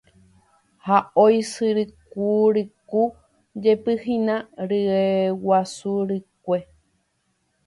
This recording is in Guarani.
ha oisyrykuryku jepi hína ryguasu rykue